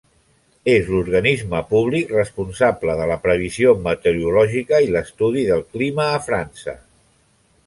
És l'organisme públic responsable de la previsió meteorològica i l'estudi del clima a França.